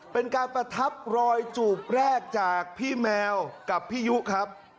เป็นการประทับรอยจูบแรกจากพี่แมวกับพี่ยุครับ